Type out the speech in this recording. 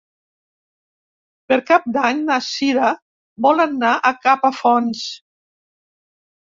Per Cap d'Any na Cira vol anar a Capafonts.